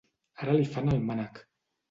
Ara li fan el mànec!